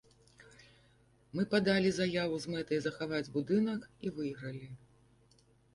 Мы падалі заяву з мэтай захаваць будынак, і выйгралі.